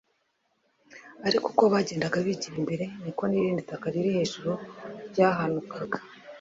ariko uko bagendaga bigira imbere niko n’irindi taka riri hejuru ryahanukaga